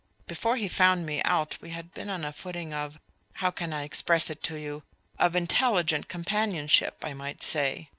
Before he found me out we had been on a footing of how can I express it to you? of intelligent companionship, I might say.